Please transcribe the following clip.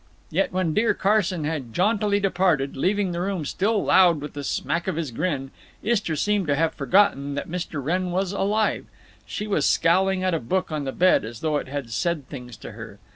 Yet when dear Carson had jauntily departed, leaving the room still loud with the smack of his grin, Istra seemed to have forgotten that Mr. Wrenn was alive. She was scowling at a book on the bed as though it had said things to her.